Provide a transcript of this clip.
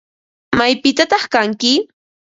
¿Maypitataq kanki?